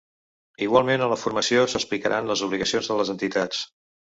Igualment, a la formació s’explicaran les obligacions de les entitats.